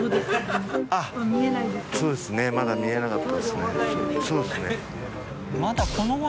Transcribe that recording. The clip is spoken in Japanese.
そうですねまだ見えなかったですね。